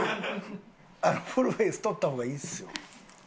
フルフェース取った方がいいですよ。